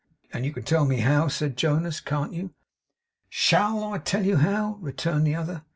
'And you can tell me how,' said Jonas, 'can't you?' 'SHALL I tell you how?' returned the other.